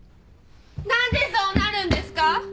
何でそうなるんですか！？